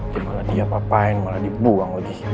dia malah diapapain malah dibuang lagi